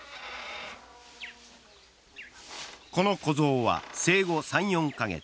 この子象は生後３４カ月。